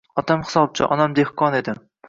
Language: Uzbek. Otam hisobchi, onam dehqon edi.